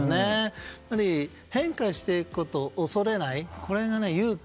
やっぱり変化していくことを恐れない、これが勇気。